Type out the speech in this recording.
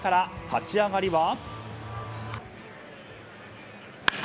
立ち上がりは。